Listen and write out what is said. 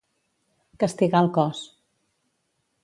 Castigar el cos.